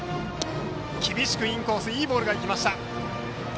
厳しくインコースにいいボールが行きました。